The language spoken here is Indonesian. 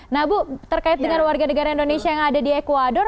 nah bu terkait dengan warga negara indonesia yang ada di ecuador